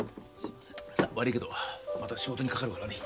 さあ悪いけどまた仕事にかかるからね。